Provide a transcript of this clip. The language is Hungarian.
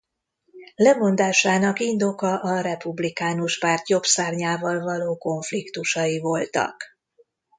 Lemondásának indoka a Republikánus Párt jobb szárnyával való konfliktusai voltak.